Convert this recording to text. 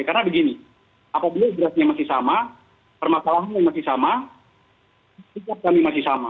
karena begini apabila draftnya masih sama permasalahannya masih sama kita masih sama